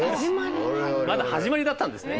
まだ始まりだったんですね。